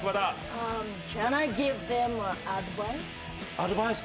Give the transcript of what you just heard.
アドバイス？